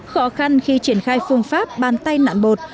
khó khăn khi triển khai phương pháp bàn tay nạn bột